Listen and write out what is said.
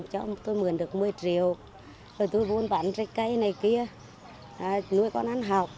cho tôi mượn được một mươi triệu rồi tôi vốn bán trái cây này kia nuôi con ăn học